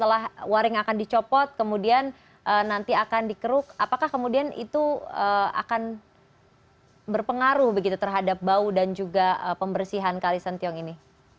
apakah itu akan berpengaruh terhadap bau dan juga pembersihan kalisentiong ini